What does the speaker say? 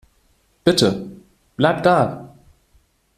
Bitte, bleib da.